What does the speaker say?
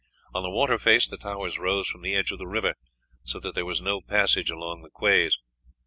On the water face the towers rose from the edge of the river, so that there was no passage along the quays.